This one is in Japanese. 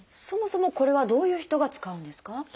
そもそもこれはどういう人が使うんですか？